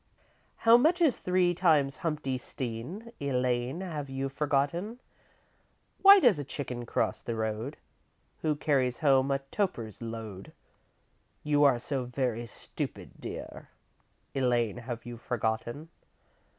"How much is three times humpty steen? Elaine, have you forgotten? Why does a chicken cross the road? Who carries home a toper's load? You are so very stupid, dear! Elaine, have you forgotten?